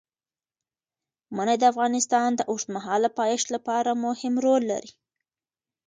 منی د افغانستان د اوږدمهاله پایښت لپاره مهم رول لري.